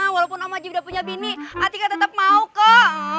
walaupun om haji udah punya bini atika tetep mau kok